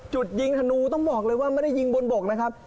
จุดยิงธนูต้องบอกเลยว่าไม่ได้ยิงบนบกนะครับ